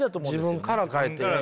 自分から変えて。